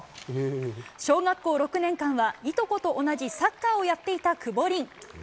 小学校６年間はいとこと同じサッカーをやっていた久保凛。